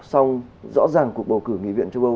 song rõ ràng cuộc bầu cử nghị viện châu âu